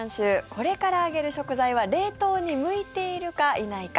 これから挙げる食材は冷凍に向いているか、いないか。